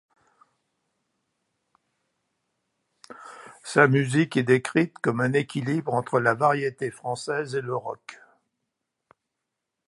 Sa musique est décrite comme un équilibre entre la variété française et le rock.